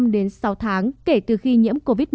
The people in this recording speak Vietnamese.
đến sáu tháng kể từ khi nhiễm covid một mươi chín